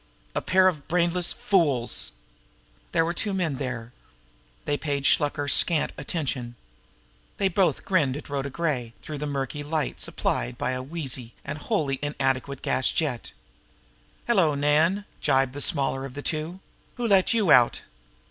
"A pair of brainless fools!" There were two men there. They paid Shluker scant attention. They both grinned at Rhoda Gray through the murky light supplied by a wheezy and wholly inadequate gas jet. "Hello, Nan!" gibed the smaller of the two. "Who let you out?"